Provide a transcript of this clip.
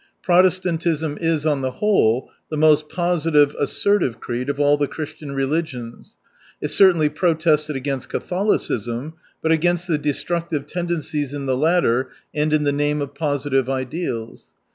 Protestantism is, on the whole, the most positive, assertive creed of all the Christian religions. It certainly protested against Catholicism, but against the de structive tendencies in the latter, and in the name of positive ideals.